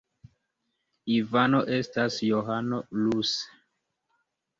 Ivano estas Johano ruse.